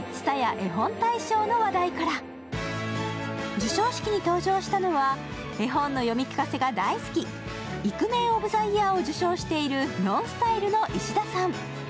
授賞式に登場したのは絵本の読み聞かせが大好き、イクメンオブザイヤーを受賞しているＮＯＮＳＴＹＬＥの石田さん。